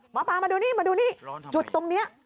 หมอปลามาดูนี่จุดตรงนี้